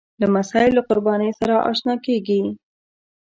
لمسی له قربانۍ سره اشنا کېږي.